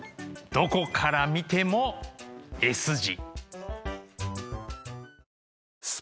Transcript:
どこから見てもＳ字。